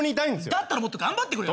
だったらもっと頑張ってくれよ。